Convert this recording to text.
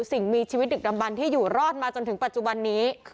สิ่งมีชีวิตดึกดำบันที่อยู่รอดมาจนถึงปัจจุบันนี้